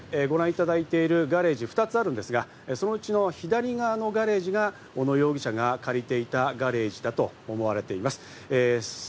そしてご覧いただいているガレージ、２つあるんですが、そのうちの左側のガレージが小野容疑者が借りていたガレージだと思われています。